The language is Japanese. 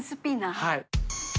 はい。